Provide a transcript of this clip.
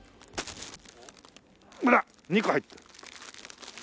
あら２個入って。